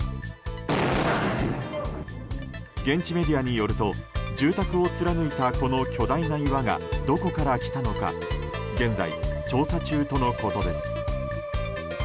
現地メディアによると住宅を貫いたこの巨大な岩がどこから来たのか現在調査中とのことです。